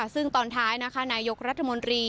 ซึ่งตอนท้ายนะคะนายกรัฐมนตรี